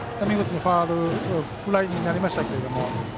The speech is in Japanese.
ファウルフライになりましたけど。